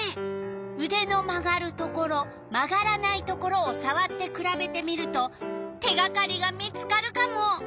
うでの曲がるところ曲がらないところをさわってくらべてみると手がかりが見つかるカモ。